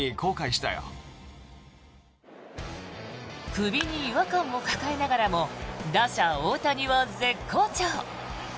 首に違和感を抱えながらも打者・大谷は絶好調。